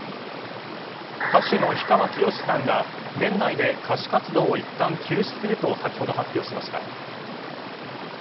歌手の氷川きよしさんが年内で歌手活動をいったん休止すると先ほど発表しました。